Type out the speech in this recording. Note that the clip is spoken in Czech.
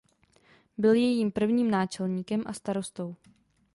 Byl jejím prvním náčelníkem a starostou.